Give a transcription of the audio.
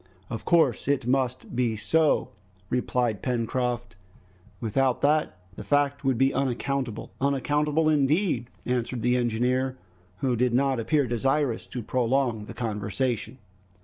"Of course it must be so," replied Pencroft, "without that the fact would be unaccountable." "Unaccountable indeed," answered the engineer, who did not appear desirous to prolong the conversation.